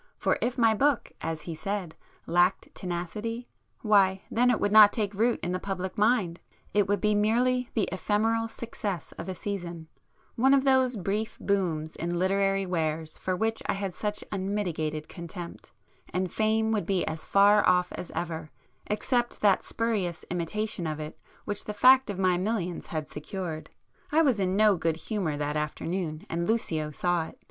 For if my book, as he said, lacked tenacity, why then it would not take root in the public mind,—it would be merely the ephemeral success of a season,—one of those brief 'booms' in literary wares for which I had such unmitigated contempt,—and Fame would be as far off as ever, except that spurious imitation of it which the fact of my millions had secured. I was in no good humour that afternoon, and Lucio saw it.